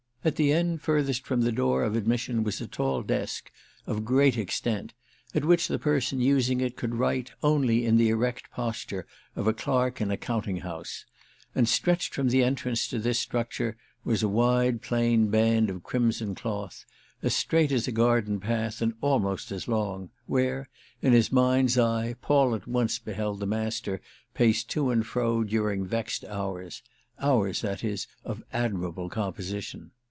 At the end furthest from the door of admission was a tall desk, of great extent, at which the person using it could write only in the erect posture of a clerk in a counting house; and stretched from the entrance to this structure was a wide plain band of crimson cloth, as straight as a garden path and almost as long, where, in his mind's eye, Paul at once beheld the Master pace to and fro during vexed hours—hours, that is, of admirable composition.